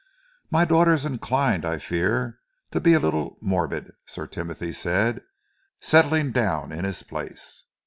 "My daughter is inclined, I fear, to be a little morbid," Sir Timothy said, settling down in his place.